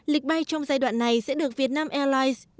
lịch bay trong giai đoạn này sẽ được vietnam airlines điều hành linh hoạt